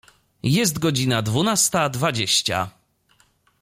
Jest godzina dwunasta dwadzieścia.